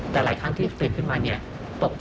จะกระโดดเป็นนก